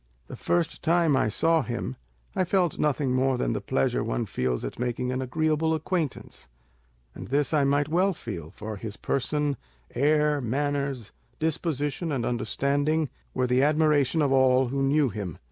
The first time I saw him, I felt nothing more than the pleasure one feels at making an agreeable acquaintance; and this I might well feel, for his person, air, manners, disposition, and understanding were the admiration of all who knew him.